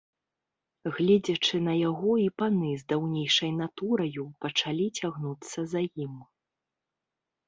Гледзячы на яго, і паны з даўнейшай натураю пачалі цягнуцца за ім.